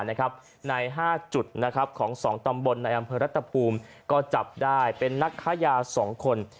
ใน๕จุดของ๒ตำบลในอำเภอรัฐภูมิก็จับได้เป็นนักค้ายา๒คน